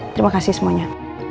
terima kasih semuanya